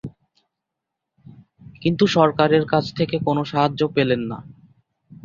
কিন্তু সরকারের কাছ থেকে কোন সাহায্য পেলেন না।